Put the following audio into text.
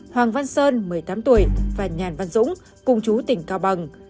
hoàng văn sơn một mươi tám tuổi và nhàn văn dũng cùng chú tỉnh cao bằng